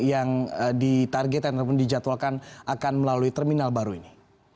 yang ditarget dan terpun dijatuhkan akan melalui terminal baru ini